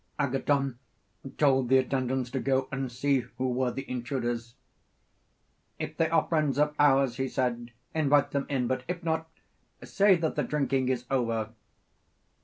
Agathon told the attendants to go and see who were the intruders. 'If they are friends of ours,' he said, 'invite them in, but if not, say that the drinking is over.'